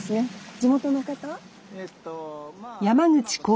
地元の方？